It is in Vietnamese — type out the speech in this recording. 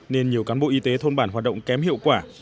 nên nhiều cán bộ y tế thôn bản hoạt động kém hiệu quả